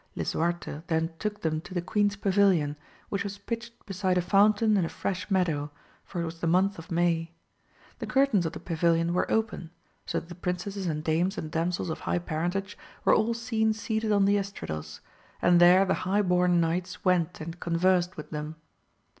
lisuarte then took them to the queen's pavilion, which was pitched beside a fountain in a fresh meadow, for it w«s the month of May. The curtains of the pavilion were open, so that the princesses and dames and damsels of high parentage were aU seen seated on the estrados, and there the high bom knights went and conversed with them.